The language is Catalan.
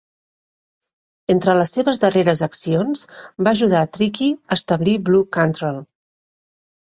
Entre les seves darreres accions, va ajudar Tricky a establir Blu Cantrell.